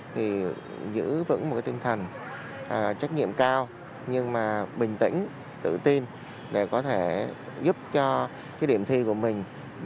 thì giữ vững một cái tinh thần trách nhiệm cao nhưng mà bình tĩnh tự tin để có thể giúp cho cái điểm thi của mình